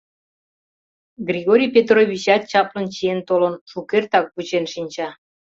Григорий Петровичат чаплын чиен толын, шукертак вучен шинча.